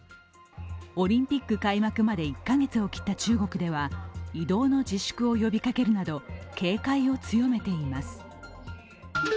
オリンピック開幕まで１カ月を切った中国では移動の自粛を呼びかけるなど警戒を強めています。